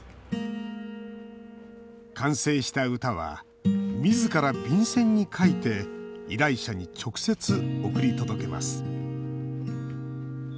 完成した歌はみずから便箋に書いて依頼者に直接送り届けます。